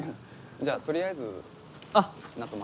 じゃあとりあえず納豆巻。